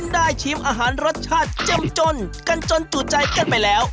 ชิมอาหารรสชาติเจ้มจนกันจนจูดใจกันไปแล้ว